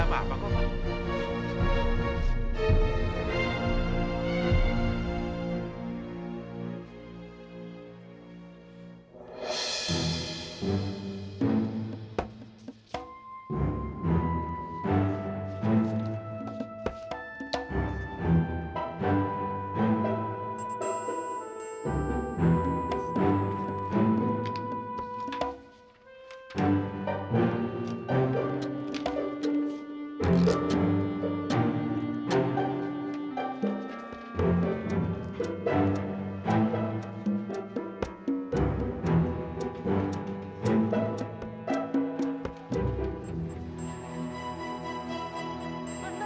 pak pak ada malik pak